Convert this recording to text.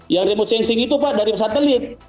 yang remote sensing itu pak dari satelit